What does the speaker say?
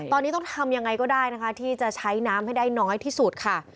ตอนนี้ต้องทำยังไงก็ได้นะคะที่จะใช้น้ำให้ได้น้อยที่สุดค่ะ